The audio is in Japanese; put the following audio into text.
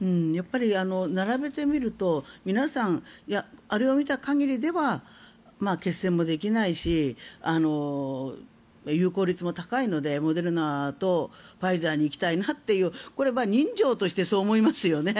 並べてみると皆さん、あれを見た限りでは血栓もできないし有効率も高いのでモデルナとファイザーに行きたいなというこれは人情としてそう思いますよね。